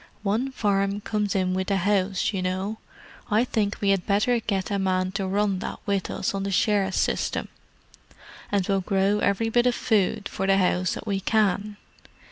One farm comes in with the house, you know. I think we had better get a man to run that with us on the shares system, and we'll grow every bit of food for the house that we can.